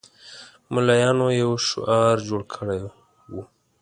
ملایانو یو شعار جوړ کړی وو.